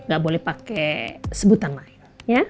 gak boleh pakai sebutan lain